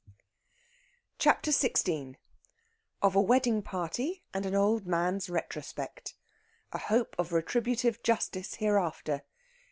CHAPTER XVI OF A WEDDING PARTY AND AN OLD MAN'S RETROSPECT. A HOPE OF RETRIBUTIVE JUSTICE HEREAFTER.